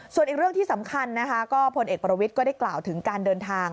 ส่วนอีกเรื่องที่สำคัญนะคะก็พลเอกประวิทย์ก็ได้กล่าวถึงการเดินทาง